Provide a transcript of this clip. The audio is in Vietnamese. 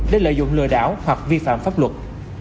để lợi dụng lừa đảo hoặc vi phạm pháp luật